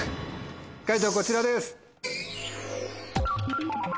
解答こちらです。